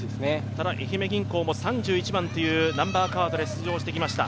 ただ、愛媛銀行も３１番というナンバーカードで出場してきました。